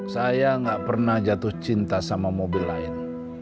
saya nggak pernah jatuh cinta sama mobil lain